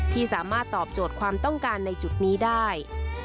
ที่สามารถตอบโจทย์ความต้องการในจุดนี้ได้